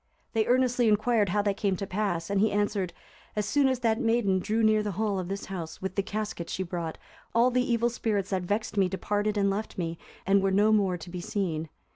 They earnestly inquired how that came to pass, and he answered, "As soon as that maiden drew near the hall of this house, with the casket she brought, all the evil spirits that vexed me departed and left me, and were no more to be seen."